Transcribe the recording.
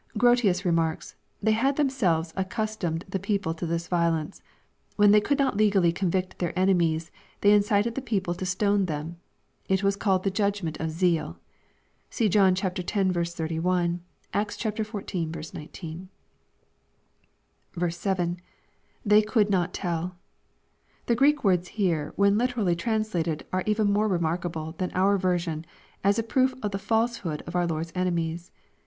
] Grotiua remarks, "They had them selves accustomed the people to this violence. When they could not legally convict their enemies, they incited the people to stone them. It was called the judgment of zeaL" See John x. 31 ; Acts adv. 19. 7. — [They could not tell,] The Greek words here, when literally translated, are even more remarkable than our version, as a proof of the felsehood of our Lord's enemies.